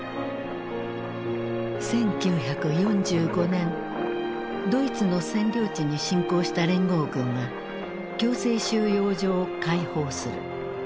１９４５年ドイツの占領地に侵攻した連合軍は強制収容所を解放する。